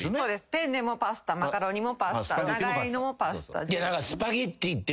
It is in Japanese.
ペンネもパスタマカロニもパスタ長いのもパスタ。